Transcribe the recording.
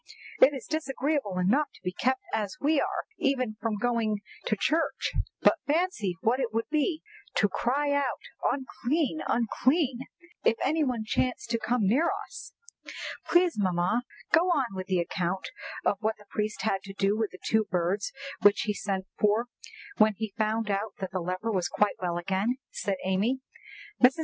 "It is disagreeable enough to be kept as we are even from going to church, but fancy what it would be to have to cry out 'Unclean! unclean!' if any one chanced to come near us!" "Please, mamma, go on with the account of what the priest had to do with the two birds which he sent for when he found that the leper was quite well again," said Amy. Mrs.